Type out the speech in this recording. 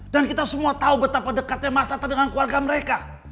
dan kita semua tahu betapa dekatnya mas arta dengan keluarga mereka